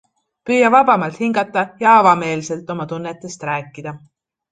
Püüa vabamalt hingata ja avameelselt oma tunnetest rääkida.